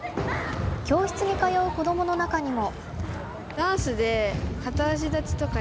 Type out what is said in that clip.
教室に通う子どもの中にも。